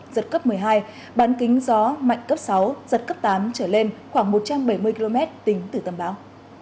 giật cấp một mươi hai bán kính gió mạnh cấp sáu giật cấp tám trở lên khoảng một trăm bảy mươi km tính từ tâm bão